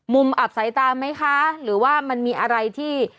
อับสายตาไหมคะหรือว่ามันมีอะไรที่